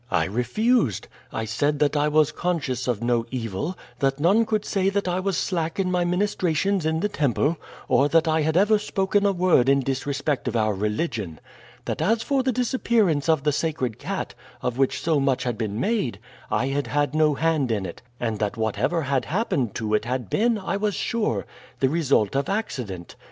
I refused. I said that I was conscious of no evil, that none could say that I was slack in my ministrations in the temple, or that I had ever spoken a word in disrespect of our religion. That as for the disappearance of the sacred cat, of which so much had been made, I had had no hand in it, and that whatever had happened to it had been, I was sure, the result of accident.